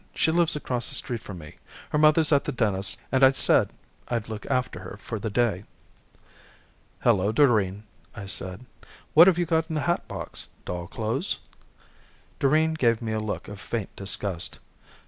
She lives across the street from me. Her mother's at the dentist and I said I'd look after her for the day." "Hello, Doreen," I said. "What have you in the hatbox? Doll clothes?" Doreen gave me a look of faint disgust.